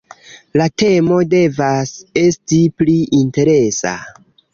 La temo devas esti pli interesa.